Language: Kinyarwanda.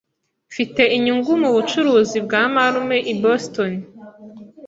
Mfite inyungu mubucuruzi bwa marume i Boston.